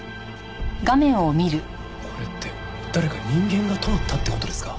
これって誰か人間が通ったって事ですか？